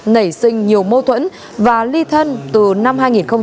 nảy sinh nhiều mâu thuẫn và ly thân từ năm hai nghìn một mươi